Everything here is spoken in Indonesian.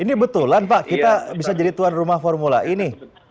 ini betulan pak kita bisa jadi tuan rumah formula ini